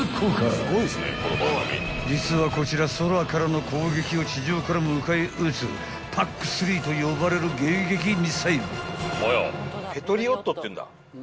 ［実はこちら空からの攻撃を地上から迎え撃つＰＡＣ−３と呼ばれる迎撃ミサイル］